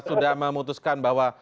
sudah memutuskan bahwa